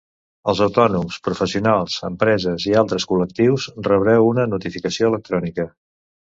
Els autònoms, professionals, empreses i altres col·lectius rebreu una notificació electrònica.